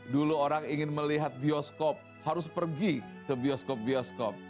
dulu orang ingin melihat bioskop harus pergi ke bioskop bioskop